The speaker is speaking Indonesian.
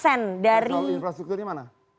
soal infrastruktur ini mana